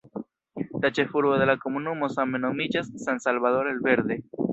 La ĉefurbo de la komunumo same nomiĝas "San Salvador el Verde".